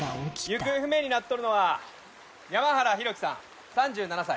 行方不明になっとるのは山原浩喜さん３７歳。